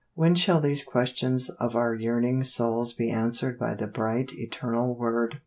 When shall these questions of our yearning souls Be answered by the bright Eternal Word?"